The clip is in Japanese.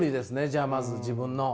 じゃあまず自分の。